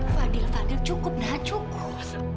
fadil fadil cukup gak cukup